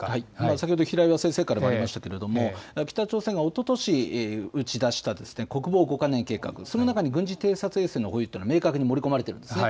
先ほど平岩先生からもありましたけれども、北朝鮮がおととし打ち出した国防５か年計画、その中に軍事偵察衛星のというのは明確に盛り込まれているんですね。